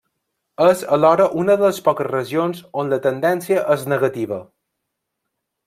És alhora una de les poques regions on la tendència és negativa.